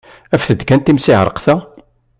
Afet-d kan timseɛṛeqt-a!